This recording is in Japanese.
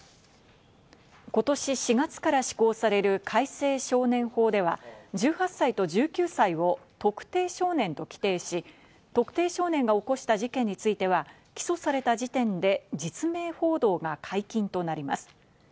今年４月から施行される改正少年法では、１８歳と１９歳を特定少年と規定し、特定少年が起こした事件については起訴された時点で実名報道が解禁となります。